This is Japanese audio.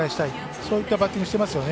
そういったバッティングしてますね。